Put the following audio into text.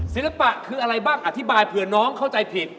ศิลปะคืออะไรบ้างอธิบายเผื่อน้องเข้าใจผิด